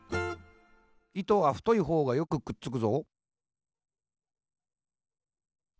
「糸は、太いほうがよくくっつくぞ。」